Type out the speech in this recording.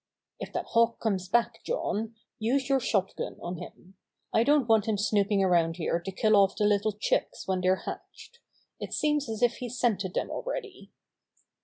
"If that hawk comes back, John, use your shot gun on him. I don't want him snooping around here to kill off the little chicks when they're hatched. It seems as if he scented them already."